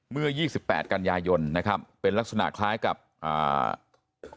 ยี่สิบแปดกันยายนนะครับเป็นลักษณะคล้ายกับอ่า